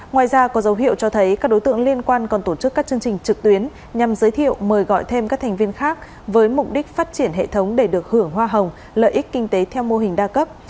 ngoài ra có dấu hiệu cho thấy các đối tượng liên quan còn tổ chức các chương trình trực tuyến nhằm giới thiệu mời gọi thêm các thành viên khác với mục đích phát triển hệ thống để được hưởng hoa hồng lợi ích kinh tế theo mô hình đa cấp